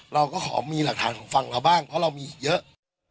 เราก็ขอมีหลักฐานของฝั่งเราบ้างเพราะเรามีอีกเยอะ